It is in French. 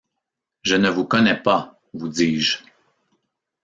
Je ne vous connais pas, vous dis-je.